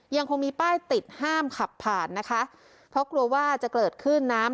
ยังคงมีป้ายติดห้ามขับผ่านนะคะเพราะกลัวว่าจะเกิดขึ้นน้ำ